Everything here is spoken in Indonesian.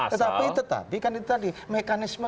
tetapi tetapi kan itu tadi mekanisme